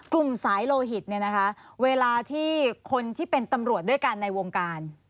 กลุ่มสายโลหิตเนี่ยนะคะเวลาที่คนที่เป็นตำรวจด้วยกันในวงการ